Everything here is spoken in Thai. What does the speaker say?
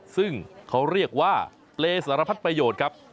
ซึ่งเขาเรียกว่าเปรย์สารพัดประโยชน์ครับ